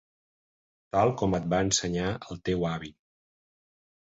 Tal com et va ensenyar el teu avi.